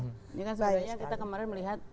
ini kan sebenarnya kita kemarin melihat